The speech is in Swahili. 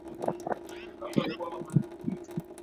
Wengi wao walikuwa katika eneo karibu na